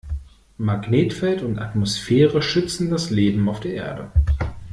Magnetfeld und Atmosphäre schützen das Leben auf der Erde.